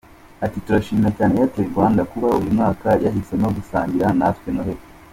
Ati “Turashimira cyane Airtel Rwanda kuba uyu mwaka yahisemo gusangira natwe noheli.